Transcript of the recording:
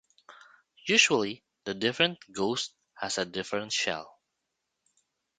Usually, a different "ghost" has a different "shell".